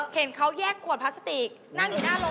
เห็นเขาแยกขวดพลาสติกนั่งอยู่หน้ารถ